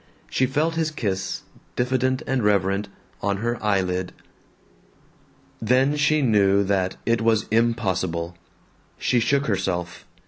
She felt his kiss, diffident and reverent, on her eyelid. Then she knew that it was impossible. She shook herself.